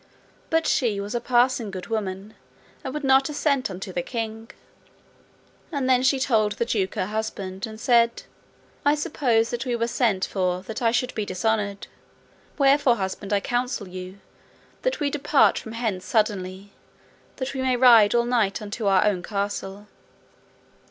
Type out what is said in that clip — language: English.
But she was a passing good woman, and would not assent unto the king. And then she told the duke her husband, and said, I suppose that we were sent for that I should be dishonoured; wherefore, husband, I counsel you, that we depart from hence suddenly, that we may ride all night unto our own castle.